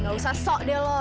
eh gausah sok deh lo